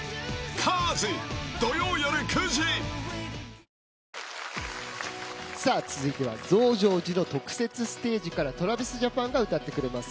サントリー「翠」続いては増上寺の特設ステージからＴｒａｖｉｓＪａｐａｎが歌ってくれます。